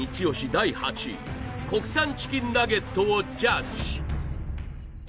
第８位国産チキンナゲットをジャッジぜひ